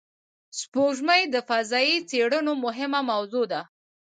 سپوږمۍ د فضایي څېړنو مهمه موضوع ده